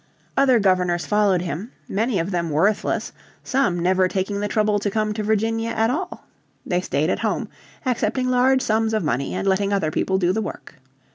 Other governors followed him, many of them worthless, some never taking the trouble to come to Virginia at all. They stayed at home, accepting large sums of money, and letting other people do the work.